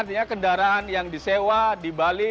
artinya kendaraan yang disewa di bali